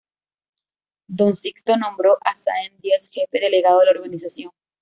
Don Sixto nombró a Sáenz-Díez jefe delegado de la organización.